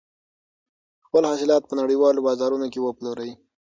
خپل حاصلات په نړیوالو بازارونو کې وپلورئ.